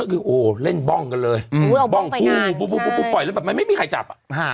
คือโอ้เล่นบ้องกันเลยบ้องซู่ปล่อยแล้วก็ไม่มีใครจับ